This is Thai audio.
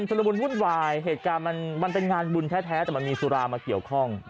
ละมุนวุ่นวายเหตุการณ์มันเป็นงานบุญแท้แต่มันมีสุรามาเกี่ยวข้อง